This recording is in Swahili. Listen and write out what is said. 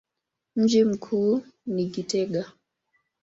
Mji mkuu ni Gitega.